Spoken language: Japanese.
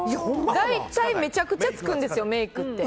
大体めちゃくちゃつくんですよメイクって。